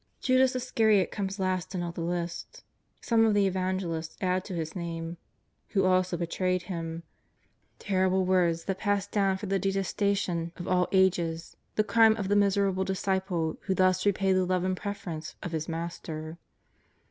Judas Iscariot comes last in all the lists. Some of the Evangelists add to his name ^' who also betrayed Him," terrible words that pass down for the detestation of all ages the crime of the miserable disciple who thus repaid the love and preference of His Master.